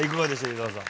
伊沢さん。